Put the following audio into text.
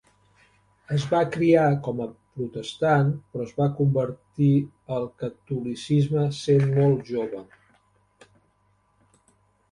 Es va criar com a protestant però es va convertir al catolicisme sent molt jove.